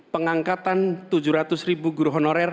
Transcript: pengangkatan tujuh ratus ribu guru honorer